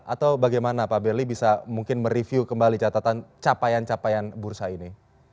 atau bagaimana pak berli bisa mungkin mereview kembali catatan capaian capaian bursa ini